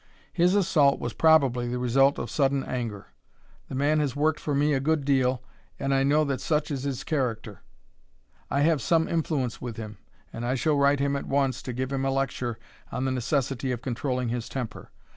His assault was probably the result of sudden anger. The man has worked for me a good deal, and I know that such is his character. I have some influence with him, and I shall write him at once and give him a lecture on the necessity of controlling his temper.